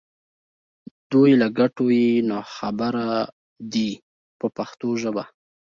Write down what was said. دوی له ګټو یې نا خبره دي په پښتو ژبه.